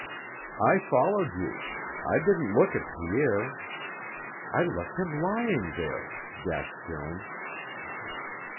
"I followed you; I didn't look at Pierre; I left him lying there," gasped Joan.